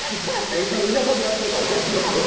いつも田舎でやってるから。